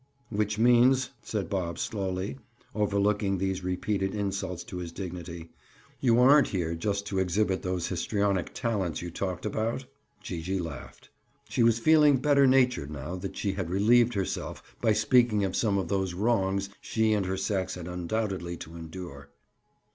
"Which means," said Bob slowly, overlooking these repeated insults to his dignity, "you aren't here just to exhibit those histrionic talents you talked about?" Gee gee laughed. She was feeling better natured now that she had relieved herself by speaking of some of those "wrongs" she and her sex had undoubtedly to endure.